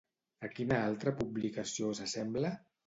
A quina altra publicació s'assembla?